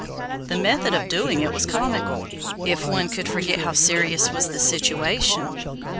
The method of doing it was comical, if one could forget how serious was the situation.